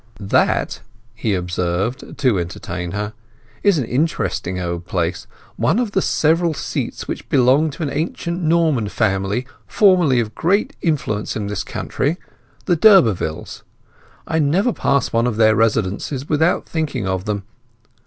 "That," he observed, to entertain her, "is an interesting old place—one of the several seats which belonged to an ancient Norman family formerly of great influence in this county, the d'Urbervilles. I never pass one of their residences without thinking of them.